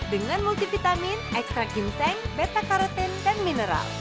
dengan multivitamin ekstrak ginseng beta karotin dan mineral